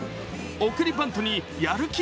送りバントにやる気